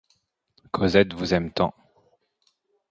Cosette vous aime tant!